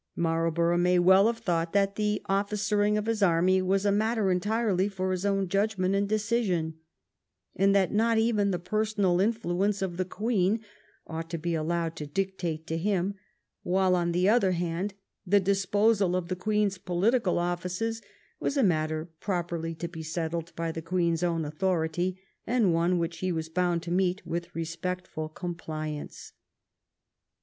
Marlborough may well have thought that the officering of his army was a matter entirely for his own judgment and decision, and that not even the personal influence of the Queen ought to be allowed to dictate to him; while, on the other hand, the disposal of the Queen's political offices was a matter properly to be settled by the Queen's own authority, and one which he was bound to meet with a respectful compliance.